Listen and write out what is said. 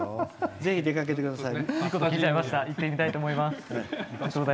ぜひ出かけてください。